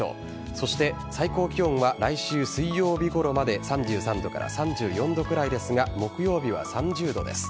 そして最高気温は来週水曜日ごろまで３３度から３４度ぐらいですが木曜日は３０度です。